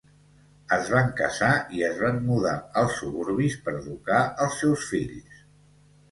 Es van casar i es van mudar als suburbis per educar els seus fills.